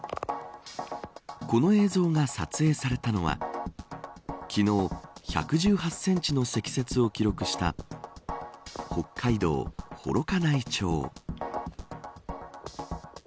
この映像が撮影されたのは昨日、１１８センチの積雪を記録した北海道幌加内町。